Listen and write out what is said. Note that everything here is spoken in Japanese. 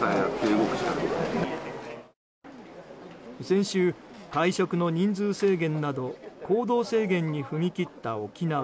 先週、会食の人数制限など行動制限に踏み切った沖縄。